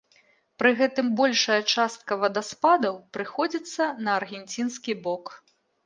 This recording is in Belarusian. Пры гэтым большая частка вадаспадаў прыходзіцца на аргенцінскі бок.